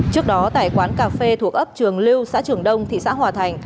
trước đó tại quán cà phê thuộc ấp trường lưu xã trường đông thị xã hòa thành